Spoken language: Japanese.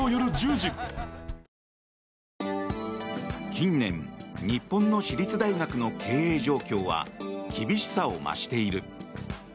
近年日本の私立大学の経営状況は厳しさを増している。